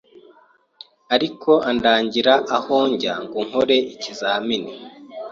ariko andangira aho njya ngo nkore ikizamini